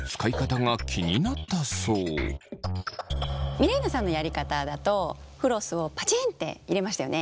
ミレイナさんのやり方だとフロスをパチンって入れましたよね？